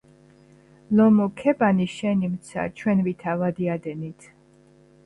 ლომო, ქებანი შენნიმცა ჩვენ ვითა ვადიადენით!